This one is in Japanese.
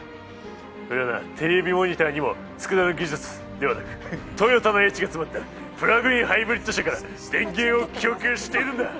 これはなテレビモニターにもトヨタのＨが詰まったプラグインハイブリッド車から電源を供給しているんだ。